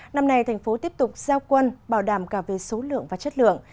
năm nay thành phố tiếp tục giao quân bảo đảm cả về số lượng và chất lượng